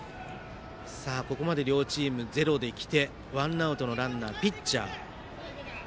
ここまで両チーム、ゼロできてワンアウトランナーはピッチャー。